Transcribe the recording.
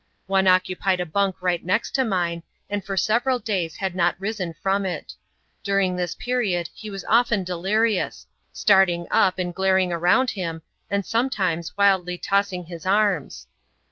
One occupied a bunk right next to mine, and for several days had not risen from it. During this period he was often delirious, starting up and glaring around him, and sometimes wildly toss ing his arms.